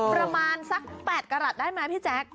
ประมาณสัก๘กระหลัดได้ไหมพี่แจ๊ค